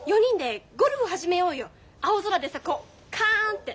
青空でさこうカンって！